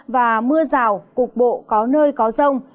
và mưa rào cục bộ có nơi có rông